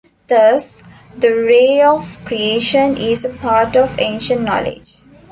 Thus, the Ray of Creation is a part of ancient knowledge.